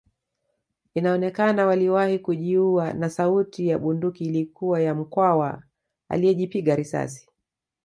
Inaonekana waliwahi kujiua na sauti ya bunduki ilikuwa ya Mkwawa aliyejipiga risasi